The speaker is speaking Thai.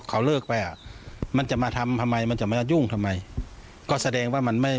เขาเลิกไปอ่ะมันจะมาทำทำไมมันจะมายุ่งทำไมก็แสดงว่ามันไม่